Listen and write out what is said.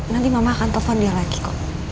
nanti mama akan telepon dia lagi kok